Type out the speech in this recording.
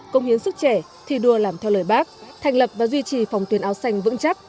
công hiến sức trẻ thi đua làm theo lời bác thành lập và duy trì phòng tuyển áo xanh vững chắc